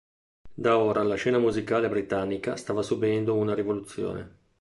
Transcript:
Da ora la scena musicale britannica stava subendo una rivoluzione.